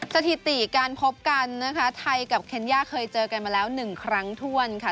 สถิติการพบกันนะคะไทยกับเคนย่าเคยเจอกันมาแล้ว๑ครั้งถ้วนค่ะ